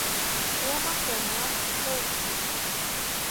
富山県南砺市